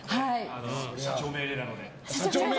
社長命令なので。